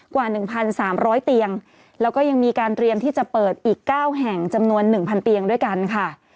กว่าหนึ่งพันสามร้อยเตียงแล้วก็ยังมีการเตรียมที่จะเปิดอีกเก้าแห่งจำนวนหนึ่งพันเตียงด้วยกันค่ะ